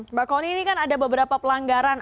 mbak kony ini kan ada beberapa pelanggaran